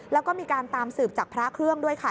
แล้วก็มีการตามสืบจากพระเครื่องด้วยค่ะ